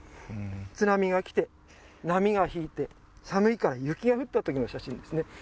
津波がきて波が引いて寒いから雪が降った時の写真ですね